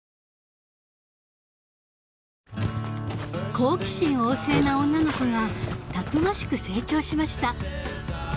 好奇心旺盛な女の子がたくましく成長しました。